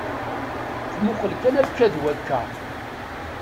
Tmuqel kan akka d wakka.